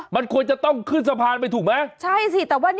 โว้ยพุ่งไปแล้วว้าย